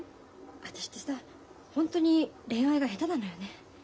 私ってさ本当に恋愛が下手なのよね。